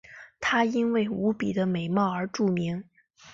她因为无比的美貌而著名。